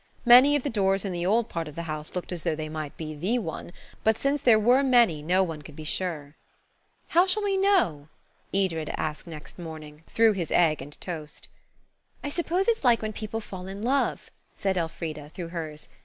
Many of the doors in the old part of the house looked as though they might be the one, but since there were many no one could be sure. "How shall we know?" Edred asked next morning, through his egg and toast. "I suppose it's like when people fall in love," said Elfrida, through hers.